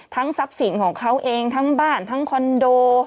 ทรัพย์สินของเขาเองทั้งบ้านทั้งคอนโด